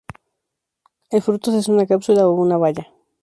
El frutos es una cápsula o una baya.